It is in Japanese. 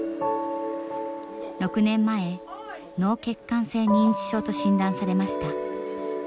６年前脳血管性認知症と診断されました。